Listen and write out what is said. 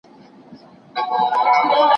ويل کېږي چي فکري تنوع د ارتقا پړاوونه لنډوي.